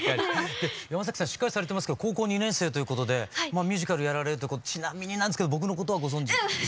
で山さんしっかりされてますけど高校２年生ということでまあミュージカルやられるちなみになんですけど僕のことはご存じ？